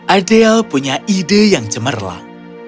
adel punya ide yang cemerlang